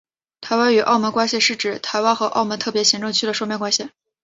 台湾与澳门关系是指台湾和澳门特别行政区的双边关系。